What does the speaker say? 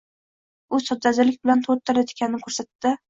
U soddadillik bilan to‘rttala tikanini ko‘rsatdi-da